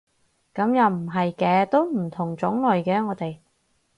噉又唔係嘅，都唔同種類嘅我哋